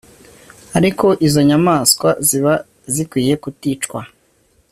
ariko izo nyamaswa ziba zikwiye kuticwa